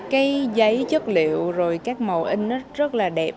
cái giấy chất liệu rồi các màu in nó rất là đẹp